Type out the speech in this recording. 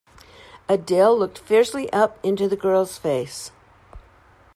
Adele looked fiercely up into the girl's face.